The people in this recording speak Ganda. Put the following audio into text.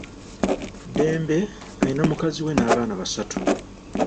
Dembe alina mukazi we n'abaana basatu.